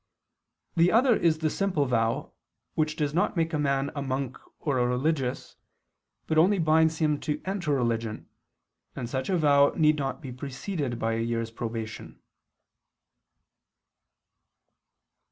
The other is the simple vow which does not make a man a monk or a religious, but only binds him to enter religion, and such a vow need not be preceded by a year's probation.